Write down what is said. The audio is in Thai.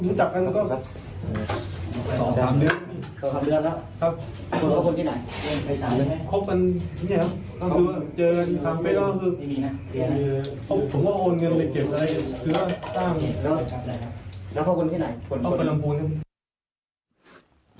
นับเข้าก้นที่ไหน